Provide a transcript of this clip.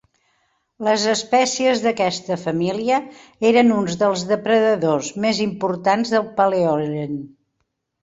Les espècies d'aquesta família eren uns dels depredadors més importants del Paleogen.